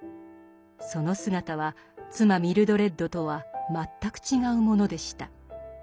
その姿は妻ミルドレッドとは全く違うものでした。